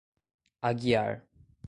Aguiar